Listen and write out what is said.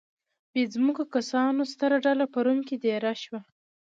بې ځمکو کسانو ستره ډله په روم کې دېره شوه